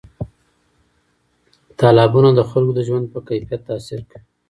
تالابونه د خلکو د ژوند په کیفیت تاثیر کوي.